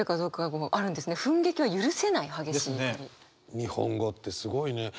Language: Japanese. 日本語ってすごいね。